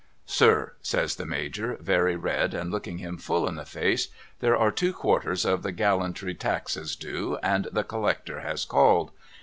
' Sir ' says the Major very red and looking him full in the face ' there are two quarters of the Gallantry Taxes due and the Collector has called.'